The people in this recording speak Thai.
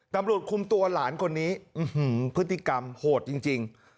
ตำรวจคุมตัวหลานคนนี้พฤติกรรมโหดจริง